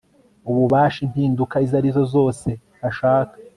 ububasha impinduka izo arizo zose ashaka